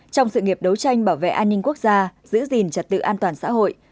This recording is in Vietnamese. trong sự nghiệp đấu tranh bảo vệ an ninh quốc gia giữ gìn trật tự an toàn xã hội